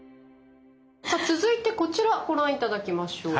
さあ続いてこちらご覧頂きましょう。